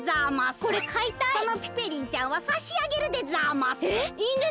そのピペリンちゃんはさしあげるでざます。